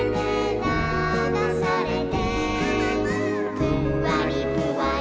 「ぷんわりぷわり」